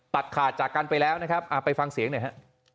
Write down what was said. ตัดขาดจากกันไปแล้วนะครับไปฟังเสียงหน่อยฮะ